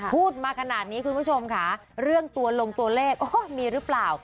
พูดมาขนาดนี้คุณผู้ชมค่ะเรื่องตัวลงตัวเลขมีหรือเปล่า